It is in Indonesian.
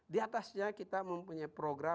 di atasnya kita mempunyai program